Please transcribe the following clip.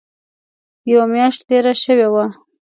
یوه میاشت تېره شوې وه.